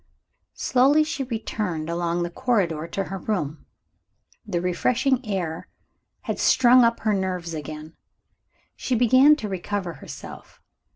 Slowly she returned along the corridor, to her room. The refreshing air had strung up her nerves again! she began to recover herself.